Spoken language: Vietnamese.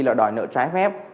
là đòi nợ trái phép